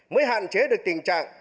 mới hạn chế được tình trạng